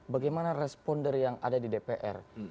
bagaimana respon dari yang ada di dpr